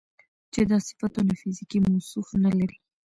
چې دا صفتونه فزيکي موصوف نه لري